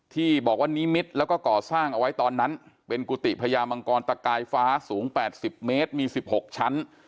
ที่บอกว่านิมิตรแล้วก็ก่อสร้างเอาไว้ตอนนั้นเป็นกุฏิพญามังกรตะกายฟ้าสูง๘๐เมตรมี๑๖ชั้น